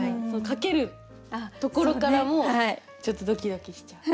かけるところからもちょっとドキドキしちゃう。